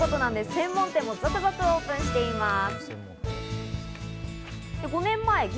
専門店も続々オープンしています。